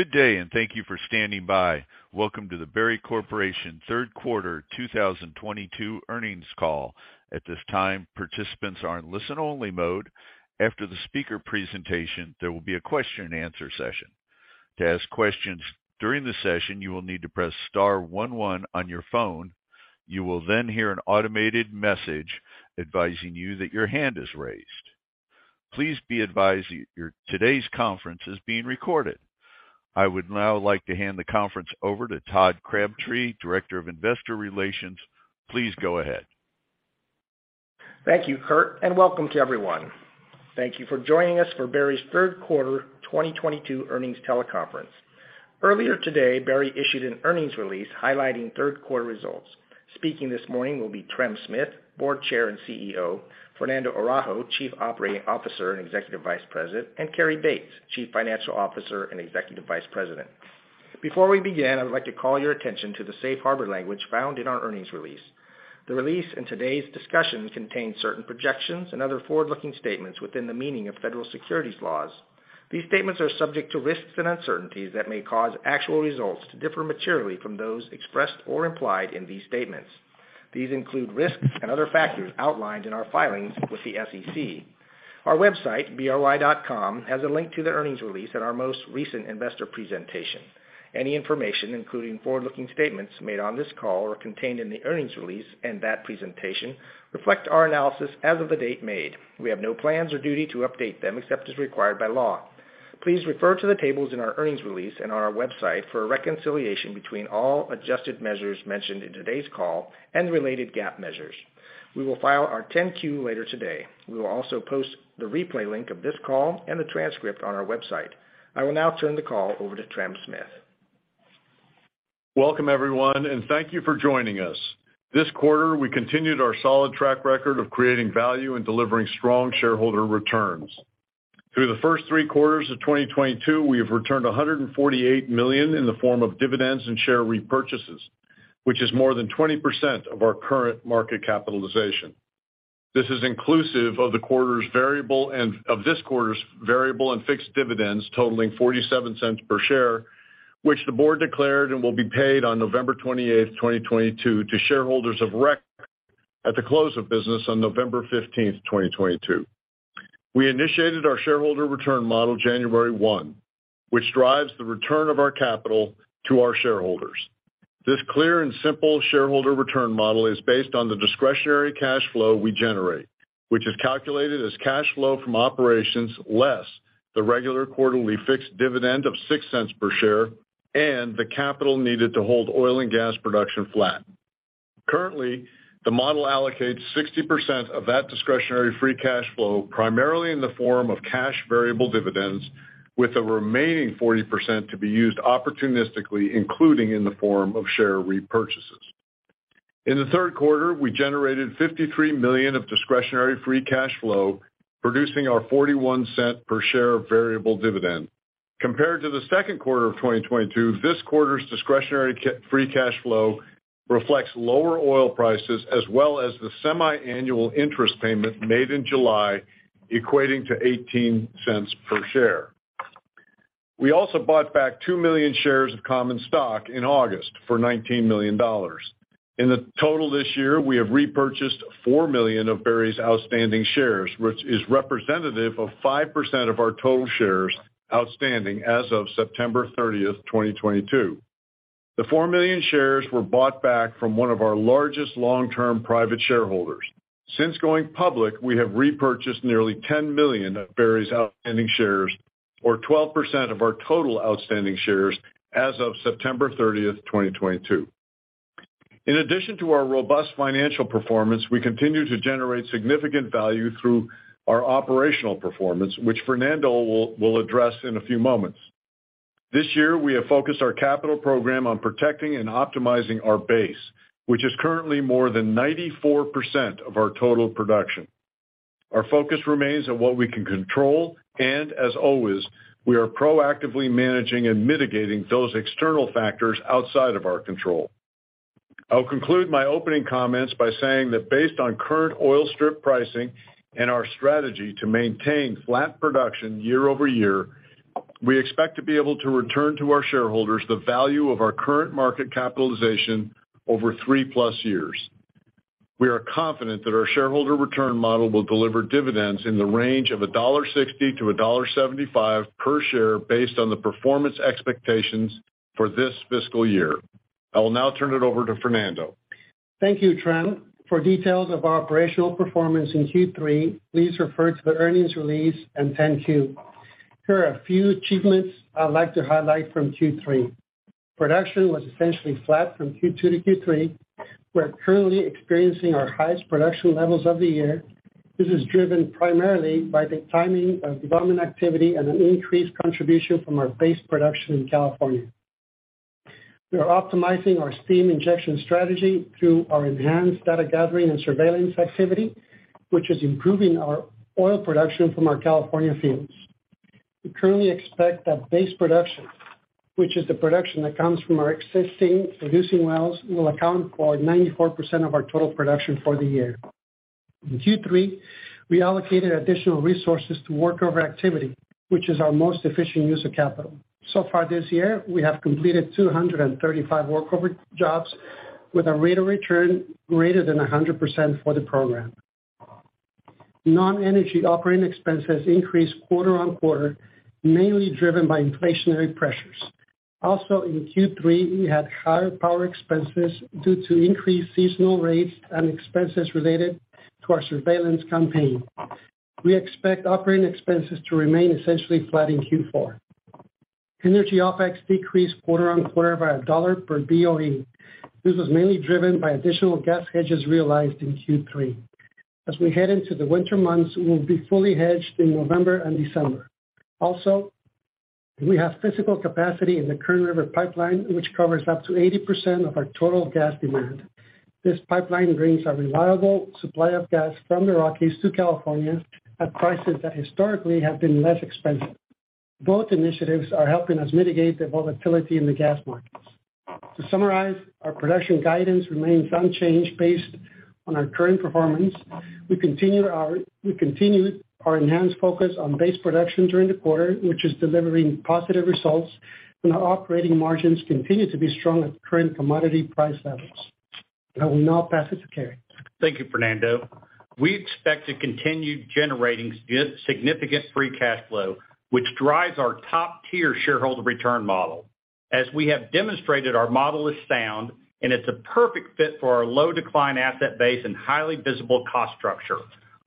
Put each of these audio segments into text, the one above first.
Good day, and thank you for standing by. Welcome to the Berry Corporation Third Quarter 2022 Earnings Call. At this time, participants are in listen-only mode. After the speaker presentation, there will be a question and answer session. To ask questions during the session, you will need to press star one one on your phone. You will then hear an automated message advising you that your hand is raised. Please be advised today's conference is being recorded. I would now like to hand the conference over to Todd Crabtree, Director of Investor Relations. Please go ahead. Thank you, Kurt, and welcome to everyone. Thank you for joining us for Berry's third quarter 2022 earnings teleconference. Earlier today, Berry issued an earnings release highlighting third quarter results. Speaking this morning will be Trem Smith, Board Chair and CEO; Fernando Araujo, Chief Operating Officer and Executive Vice President; and Cary Baetz, Chief Financial Officer and Executive Vice President. Before we begin, I would like to call your attention to the safe harbor language found in our earnings release. The release in today's discussion contains certain projections and other forward-looking statements within the meaning of Federal Securities laws. These statements are subject to risks and uncertainties that may cause actual results to differ materially from those expressed or implied in these statements. These include risks and other factors outlined in our filings with the SEC. Our website, bry.com, has a link to the earnings release and our most recent investor presentation. Any information, including forward-looking statements made on this call or contained in the earnings release and that presentation, reflect our analysis as of the date made. We have no plans or duty to update them except as required by law. Please refer to the tables in our earnings release and on our website for a reconciliation between all adjusted measures mentioned in today's call and related GAAP measures. We will file our 10-Q later today. We will also post the replay link of this call and the transcript on our website. I will now turn the call over to Trem Smith. Welcome, everyone, and thank you for joining us. This quarter, we continued our solid track record of creating value and delivering strong shareholder returns. Through the first three quarters of 2022, we have returned $148 million in the form of dividends and share repurchases, which is more than 20% of our current market capitalization. This is inclusive of this quarter's variable and fixed dividends totaling $0.47 per share, which the board declared and will be paid on November 28, 2022 to shareholders of record at the close of business on November 15, 2022. We initiated our shareholder return model January 1, which drives the return of our capital to our shareholders. This clear and simple shareholder return model is based on the discretionary cash flow we generate, which is calculated as cash flow from operations less the regular quarterly fixed dividend of $0.06 per share and the capital needed to hold oil and gas production flat. Currently, the model allocates 60% of that discretionary free cash flow primarily in the form of cash variable dividends, with the remaining 40% to be used opportunistically, including in the form of share repurchases. In the third quarter, we generated $53 million of discretionary free cash flow, producing our $0.41 per share variable dividend. Compared to the second quarter of 2022, this quarter's discretionary free cash flow reflects lower oil prices as well as the semiannual interest payment made in July, equating to $0.18 per share. We also bought back 2 million shares of common stock in August for $19 million. In the total this year, we have repurchased 4 million of Berry's outstanding shares, which is representative of 5% of our total shares outstanding as of September 30, 2022. The 4 million shares were bought back from one of our largest long-term private shareholders. Since going public, we have repurchased nearly 10 million of Berry's outstanding shares or 12% of our total outstanding shares as of September 30, 2022. In addition to our robust financial performance, we continue to generate significant value through our operational performance, which Fernando will address in a few moments. This year, we have focused our capital program on protecting and optimizing our base, which is currently more than 94% of our total production. Our focus remains on what we can control, and as always, we are proactively managing and mitigating those external factors outside of our control. I'll conclude my opening comments by saying that based on current oil strip pricing and our strategy to maintain flat production year-over-year, we expect to be able to return to our shareholders the value of our current market capitalization over three plus years. We are confident that our shareholder return model will deliver dividends in the range of $1.60 to $1.75 per share based on the performance expectations for this fiscal year. I will now turn it over to Fernando. Thank you, Trem. For details of our operational performance in Q3, please refer to the earnings release and 10-Q. Here are a few achievements I'd like to highlight from Q3. Production was essentially flat from Q2 to Q3. We're currently experiencing our highest production levels of the year. This is driven primarily by the timing of development activity and an increased contribution from our base production in California. We are optimizing our steam injection strategy through our enhanced data gathering and surveillance activity, which is improving our oil production from our California fields. We currently expect that base production, which is the production that comes from our existing producing wells, will account for 94% of our total production for the year. In Q3, we allocated additional resources to workover activity, which is our most efficient use of capital. So far this year, we have completed 235 workover jobs with a rate of return greater than 100% for the program. Non-energy operating expenses increased quarter-over-quarter, mainly driven by inflationary pressures. Also, in Q3, we had higher power expenses due to increased seasonal rates and expenses related to our surveillance campaign. We expect operating expenses to remain essentially flat in Q4. Energy OpEx decreased quarter-over-quarter by $1 per BOE. This was mainly driven by additional gas hedges realized in Q3. As we head into the winter months, we will be fully hedged in November and December. Also, we have physical capacity in the Kern River pipeline, which covers up to 80% of our total gas demand. This pipeline brings a reliable supply of gas from the Rockies to California at prices that historically have been less expensive. Both initiatives are helping us mitigate the volatility in the gas markets. To summarize, our production guidance remains unchanged based on our current performance. We continued our enhanced focus on base production during the quarter, which is delivering positive results, and our operating margins continue to be strong at current commodity price levels. I will now pass it to Cary. Thank you, Fernando. We expect to continue generating significant free cash flow, which drives our top-tier shareholder return model. As we have demonstrated, our model is sound, and it's a perfect fit for our low decline asset base and highly visible cost structure.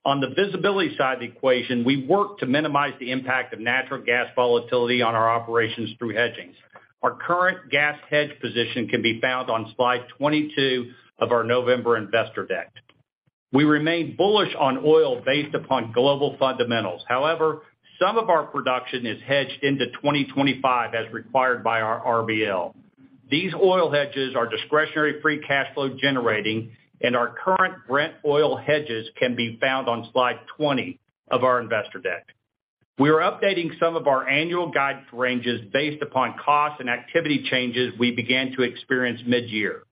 On the visibility side of the equation, we work to minimize the impact of natural gas volatility on our operations through hedgings. Our current gas hedge position can be found on Slide 22 of our November investor deck. We remain bullish on oil based upon global fundamentals. However, some of our production is hedged into 2025 as required by our RBL. These oil hedges are discretionary free cash flow generating, and our current Brent oil hedges can be found on Slide 20 of our investor deck. We are updating some of our annual guidance ranges based upon costs and activity changes we began to experience mid-year.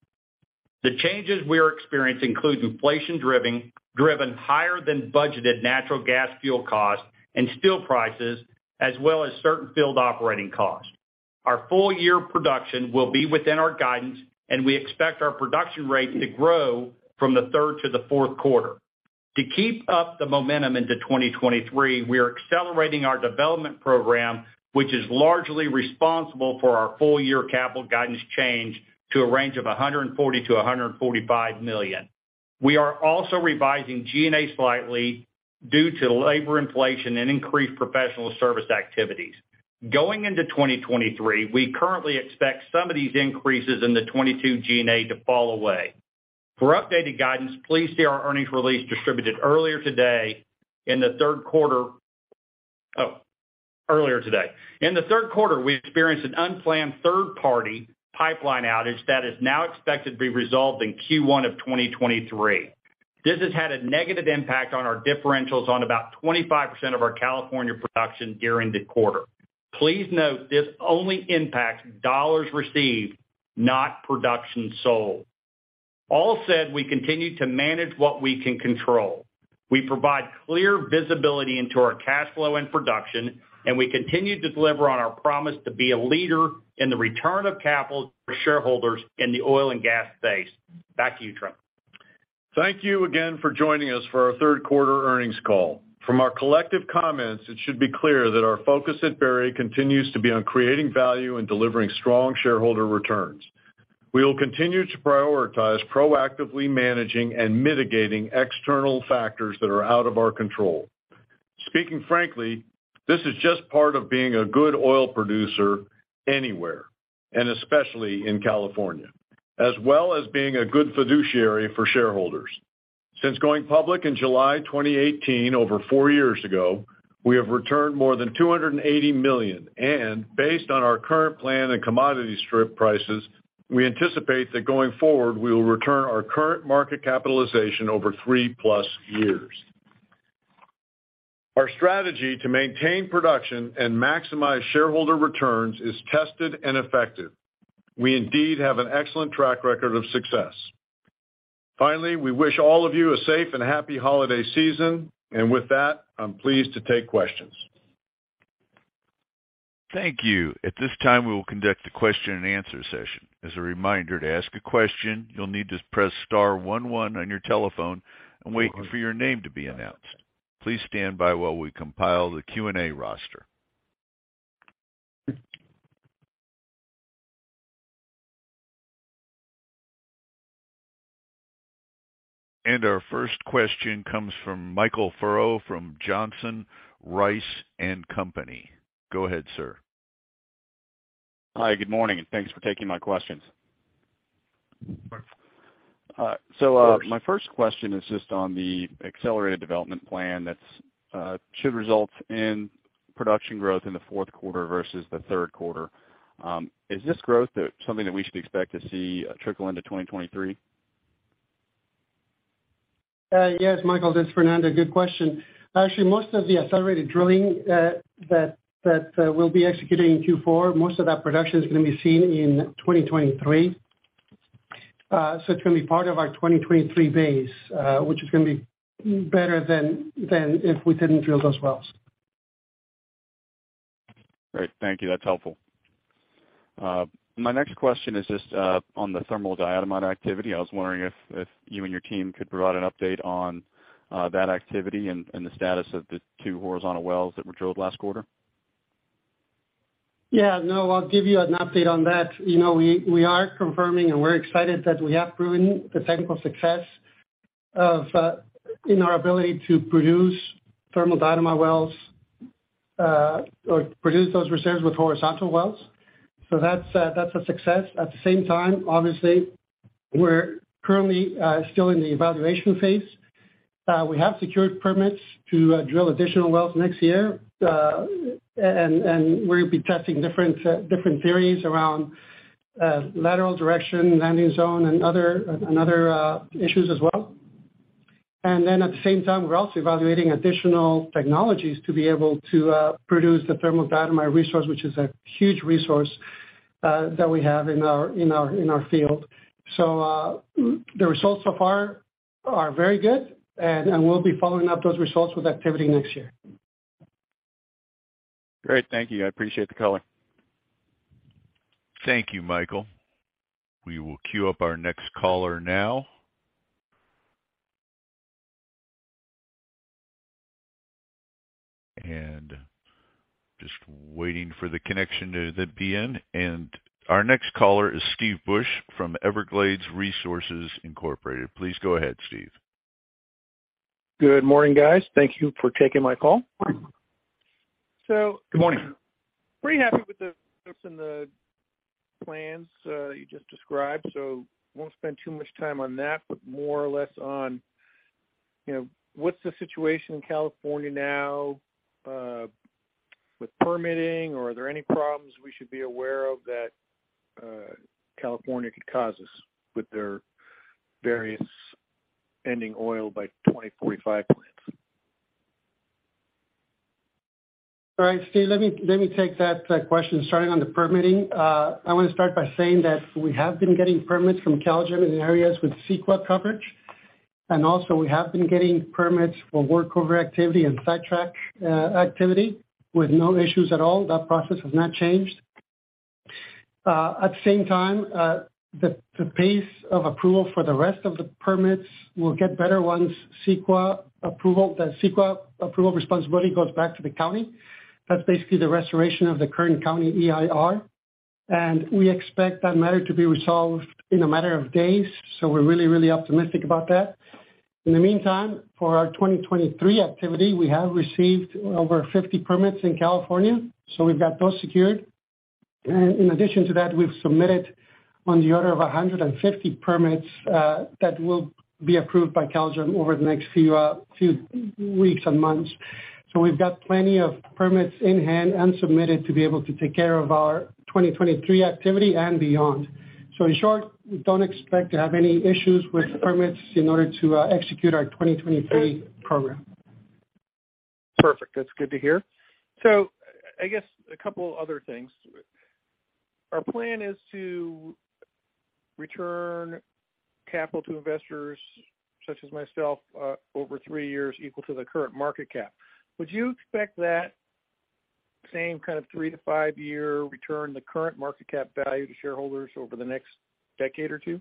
The changes we are experiencing include inflation driven higher than budgeted natural gas fuel costs and steel prices, as well as certain field operating costs. Our full year production will be within our guidance, and we expect our production rate to grow from the third to the fourth quarter. To keep up the momentum into 2023, we are accelerating our development program, which is largely responsible for our full year capital guidance change to a range of $140 million to $145 million. We are also revising G&A slightly due to labor inflation and increased professional service activities. Going into 2023, we currently expect some of these increases in the 2022 G&A to fall away. For updated guidance, please see our earnings release distributed earlier today in the third quarter. Oh, earlier today. In the third quarter, we experienced an unplanned third-party pipeline outage that is now expected to be resolved in Q1 of 2023. This has had a negative impact on our differentials on about 25% of our California production during the quarter. Please note this only impacts dollars received, not production sold. All said, we continue to manage what we can control. We provide clear visibility into our cash flow and production, and we continue to deliver on our promise to be a leader in the return of capital for shareholders in the oil and gas space. Back to you, Trem. Thank you again for joining us for our third quarter earnings call. From our collective comments, it should be clear that our focus at Berry continues to be on creating value and delivering strong shareholder returns. We will continue to prioritize proactively managing and mitigating external factors that are out of our control. Speaking frankly, this is just part of being a good oil producer anywhere, and especially in California, as well as being a good fiduciary for shareholders. Since going public in July 2018, over four years ago, we have returned more than $280 million. Based on our current plan and commodity strip prices, we anticipate that going forward, we will return our current market capitalization over three plus years. Our strategy to maintain production and maximize shareholder returns is tested and effective. We indeed have an excellent track record of success. Finally, we wish all of you a safe and happy holiday season. With that, I'm pleased to take questions. Thank you. At this time, we will conduct a question-and-answer session. As a reminder, to ask a question, you'll need to press star one one on your telephone and wait for your name to be announced. Please stand by while we compile the Q&A roster. Our first question comes from Michael Furrow from Johnson Rice & Company. Go ahead, sir. Hi, good morning, and thanks for taking my questions. So, my first question is just on the accelerated development plan that should result in production growth in the fourth quarter versus the third quarter. Is this growth something that we should expect to see trickle into 2023? Yes, Michael, this is Fernando. Good question. Actually, most of the accelerated drilling that we'll be executing in Q4, most of that production is gonna be seen in 2023. It's gonna be part of our 2023 base, which is gonna be better than if we didn't drill those wells. Great. Thank you. That's helpful. My next question is just on the thermal diatomite activity. I was wondering if you and your team could provide an update on that activity and the status of the two horizontal wells that were drilled last quarter? Yeah, no, I'll give you an update on that. You know, we are confirming, and we're excited that we have proven the technical success in our ability to produce thermal diatomite wells or produce those reserves with horizontal wells. That's a success. At the same time, obviously, we're currently still in the evaluation phase. We have secured permits to drill additional wells next year. And we'll be testing different theories around lateral direction, landing zone and other issues as well. At the same time, we're also evaluating additional technologies to be able to produce the thermal diatomite resource, which is a huge resource that we have in our field. The results so far are very good, and we'll be following up those results with activity next year. Great. Thank you. I appreciate the color. Thank you, Michael. We will queue up our next caller now. Just waiting for the connection to be in. Our next caller is Steve Busch from Everglades Resources Inc. Please go ahead, Steve. Good morning, guys. Thank you for taking my call. Good morning. Pretty happy with the plans you just described, so won't spend too much time on that, but more or less on, you know, what's the situation in California now with permitting or are there any problems we should be aware of that California could cause us with their various ending oil by 2045 plans? All right, Steve, let me take that question. Starting on the permitting, I wanna start by saying that we have been getting permits from CalGEM in areas with CEQA coverage. Also we have been getting permits for workover activity and sidetrack activity with no issues at all. That process has not changed. At the same time, the pace of approval for the rest of the permits will get better once the CEQA approval responsibility goes back to the county. That's basically the restoration of the current county EIR. We expect that matter to be resolved in a matter of days. We're really, really optimistic about that. In the meantime, for our 2023 activity, we have received over 50 permits in California. We've got those secured. In addition to that, we've submitted on the order of 150 permits that will be approved by CalGEM over the next few weeks and months. We've got plenty of permits in hand and submitted to be able to take care of our 2023 activity and beyond. In short, we don't expect to have any issues with permits in order to execute our 2023 program. Perfect. That's good to hear. I guess a couple other things. Our plan is to return capital to investors such as myself over three years equal to the current market cap. Would you expect that same kind of three to five-year return the current market cap value to shareholders over the next decade or two?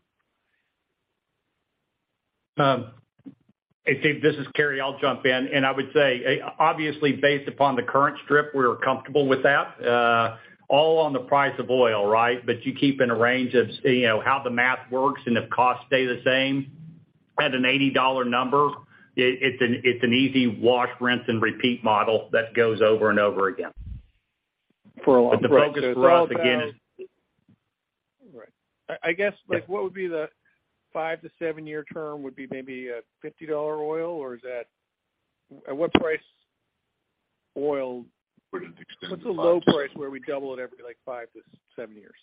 Hey, Steve, this is Cary. I'll jump in. I would say, obviously, based upon the current strip, we're comfortable with that, all on the price of oil, right? You keep in a range of, you know, how the math works and if costs stay the same. At an $80 number, it's an easy wash, rinse, and repeat model that goes over and over again. The focus for us, again. Right. I guess, like what would be the five to seven-year term would be maybe $50 oil or is that at what price oil? Would it extend? What's the low price where we double it every like five to seven years?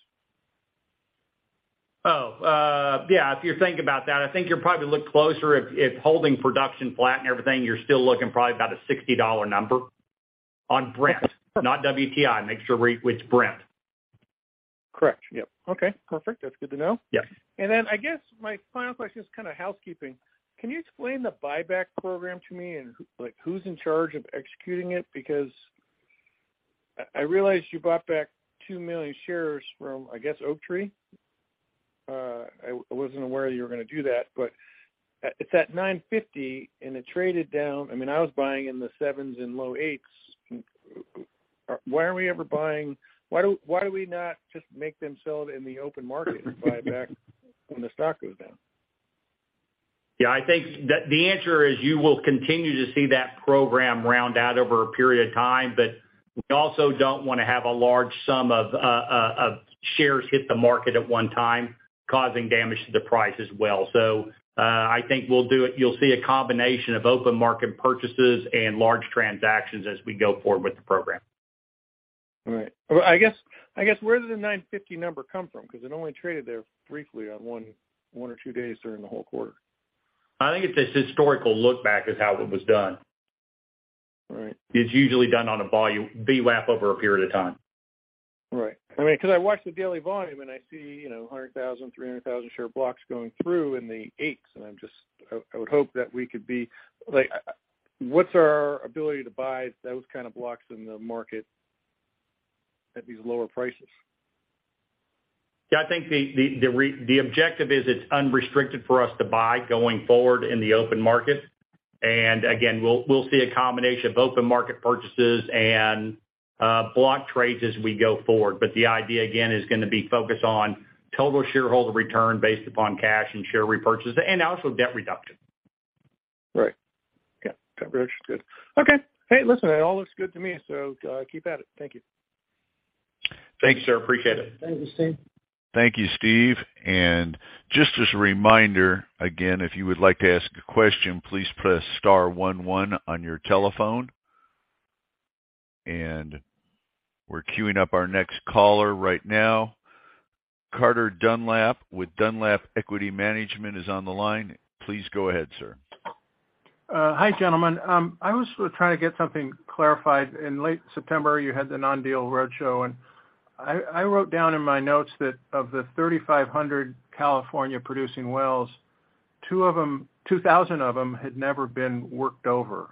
If you're thinking about that, I think you'll probably look closer if holding production flat and everything, you're still looking probably about a $60 number on Brent, not WTI. It's Brent. Correct. Yep. Okay, perfect. That's good to know. Yes. I guess my final question is kind of housekeeping. Can you explain the buyback program to me and who, like, who's in charge of executing it? Because I realize you bought back 2 million shares from, I guess, Oaktree. I wasn't aware you were gonna do that, but at that $9.50 and it traded down. I mean, I was buying in the $7s and low $8s. Why aren't we ever buying? Why do we not just make them sell it in the open market and buy back when the stock goes down? Yeah, I think the answer is you will continue to see that program round out over a period of time. We also don't wanna have a large sum of of shares hit the market at one time, causing damage to the price as well. I think we'll do it. You'll see a combination of open market purchases and large transactions as we go forward with the program. All right. Well, I guess where did the $9.50 number come from? Because it only traded there briefly on one or two days during the whole quarter. I think it's a historical look back is how it was done. Right. It's usually done on a volume-based overlap over a period of time. Right. I mean, 'cause I watch the daily volume and I see, you know, 100,000, 300,000 share blocks going through in the eights, and I would hope that we could be like, what's our ability to buy those kind of blocks in the market at these lower prices? Yeah, I think the objective is it's unrestricted for us to buy going forward in the open market. Again, we'll see a combination of open market purchases and block trades as we go forward. The idea, again, is gonna be focused on total shareholder return based upon cash and share repurchase and also debt reduction. Right. Yeah. Coverage is good. Okay. Hey, listen, it all looks good to me, so keep at it. Thank you. Thanks, sir. Appreciate it. Thank you, Steve. Thank you, Steve. Just as a reminder, again, if you would like to ask a question, please press star one one on your telephone. We're queuing up our next caller right now. Carter Dunlap with Dunlap Equity Management is on the line. Please go ahead, sir. Hi, gentlemen. I was trying to get something clarified. In late September, you had the non-deal roadshow, and I wrote down in my notes that of the 3,500 California producing wells, 2,000 of them had never been worked over.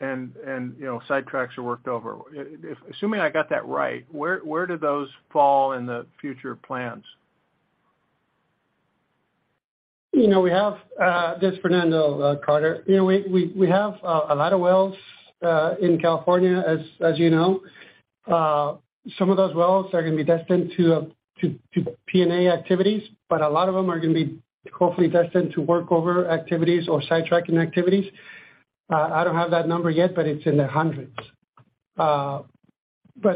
You know, sidetracks are worked over. Assuming I got that right, where do those fall in the future plans? You know, we have a lot of wells in California, as you know. Some of those wells are gonna be destined to P&A activities, but a lot of them are gonna be hopefully destined to work over activities or sidetracking activities. I don't have that number yet, but it's in the hundreds. But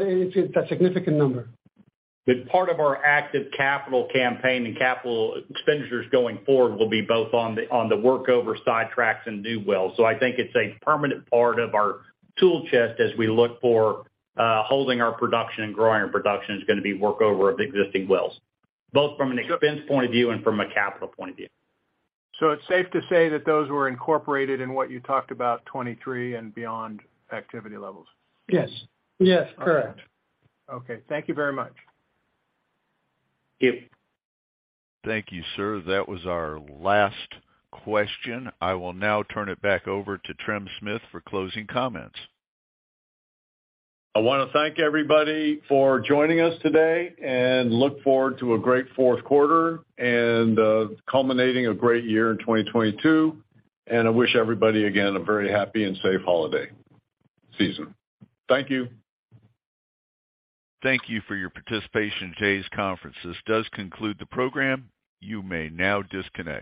it's a significant number. Part of our active capital campaign and capital expenditures going forward will be both on the workover sidetracks and new wells. I think it's a permanent part of our tool chest as we look for holding our production and growing our production is gonna be workover of existing wells, both from an expense point of view and from a capital point of view. It's safe to say that those were incorporated in what you talked about 2023 and beyond activity levels? Yes. Yes, correct. Okay. Thank you very much. Yep. Thank you, sir. That was our last question. I will now turn it back over to Trem Smith for closing comments. I wanna thank everybody for joining us today and look forward to a great fourth quarter and culminating a great year in 2022. I wish everybody, again, a very happy and safe holiday season. Thank you. Thank you for your participation in today's conference. This does conclude the program. You may now disconnect.